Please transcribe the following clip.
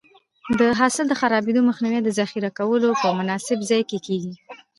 د حاصل د خرابېدو مخنیوی د ذخیره کولو په مناسب ځای کې کېږي.